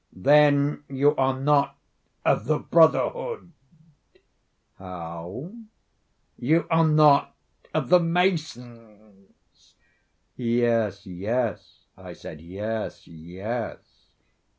"Then you are not of the brotherhood." "How?" "You are not of the masons." "Yes, yes," I said, "yes, yes."